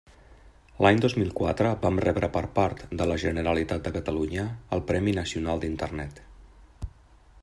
L'any dos mil quatre vam rebre per part de la Generalitat de Catalunya el Premi Nacional d'Internet.